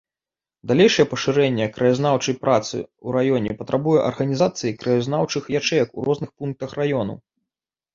Далейшае пашырэнне краязнаўчай працы ў раёне патрабуе арганізацыі краязнаўчых ячэек у розных пунктах раёна.